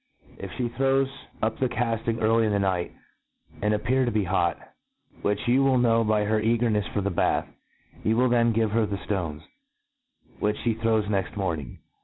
If (he throws up the cafting early in the night, and appear to ht hotf which you will know by her cagemefs for the bath, you will then give her the ftones, . which fhe throws next morning.